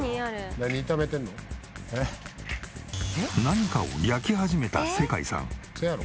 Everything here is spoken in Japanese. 何かを焼き始めたせかいさん。